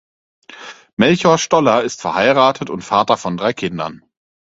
Melchior Stoller ist verheiratet und Vater von drei Kindern.